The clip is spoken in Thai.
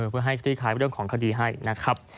เพื่อให้คลี่คลายเรื่องของคดีให้นะครับ